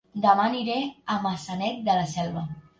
Dema aniré a Maçanet de la Selva